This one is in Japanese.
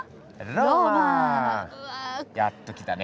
やっと来たね。